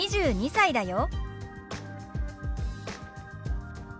２２歳だよ。